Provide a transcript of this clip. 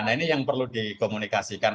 nah ini yang perlu dikomunikasikan